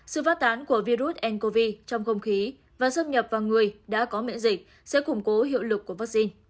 sự phát tán của virus ncov trong không khí và xâm nhập vào người đã có miễn dịch sẽ củng cố hiệu lực của vaccine